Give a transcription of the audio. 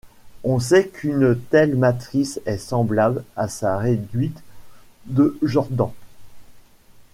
On sait qu'une telle matrice est semblable à sa réduite de Jordan.